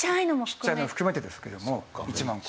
ちっちゃいの含めてですけども１万個。